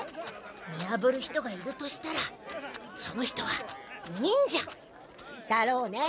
見やぶる人がいるとしたらその人は忍者。だろうね。